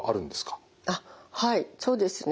はいそうですね。